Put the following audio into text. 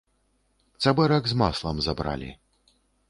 Цабэрак з маслам забралі.